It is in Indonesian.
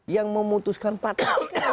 yang memutuskan partai